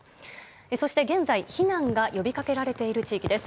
そして、現在避難が呼びかけられている地域です。